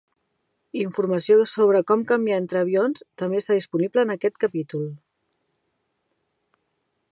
Informació sobre com canviar entre avions també està disponible en aquest capítol.